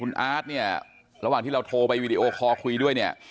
คุณอาร์ตเนี่ยระหว่างที่เราโทรไปวีดีโอคอร์คุยด้วยเนี่ย